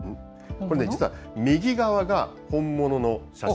これね、実は右側が本物の写真。